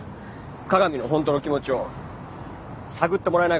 加賀美の本当の気持ちを探ってもらえないかなと思って。